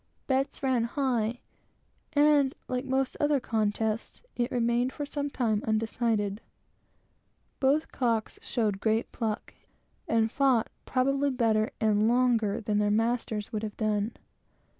Bets ran high, and, like most other contests, it remained for some time undecided. They both showed great pluck, and fought probably better and longer than their masters would have done.